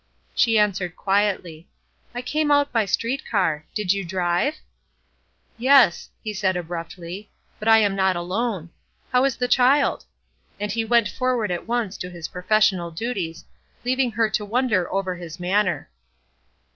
She answered quietly: "I came out by street car. Did you drive?" "Yes,"' he said, abruptly, "but I am not alone. How is the child?" and he went forward at once to his professional duties, leaving her to wonder over his manner.